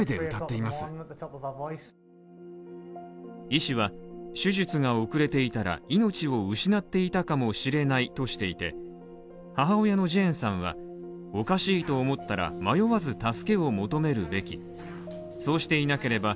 医師は、手術が遅れていたら命を失っていたかもしれないとしていて母親のジェーンさんはおかしいと思ったら迷わず助けを求めるべき、そうしていなければ